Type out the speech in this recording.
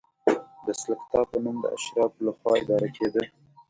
د سلکتا په نوم د اشرافو له خوا اداره کېده.